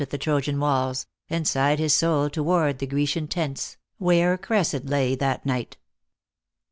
the Trojan walls, And sighed his soul toward the Grecian tents, Where Cressid lay that night."